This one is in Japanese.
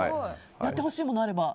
やってほしいものがあれば。